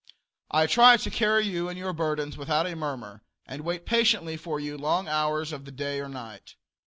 I try to carry you and your burdens without a murmur, and wait patiently for you long hours of the day or night.